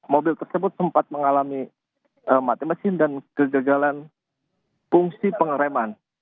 mobil tersebut sempat mengalami mati mesin dan kegagalan fungsi pengereman